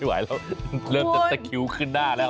ไหวแล้วเริ่มจะตะคิวขึ้นหน้าแล้ว